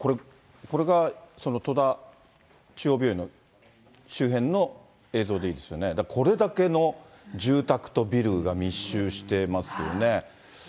これがその戸田中央病院の周辺の映像でいいですよね、これだけの住宅とビルが密集していますよね。